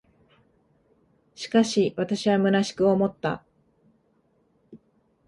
しかし、私は虚しく思った。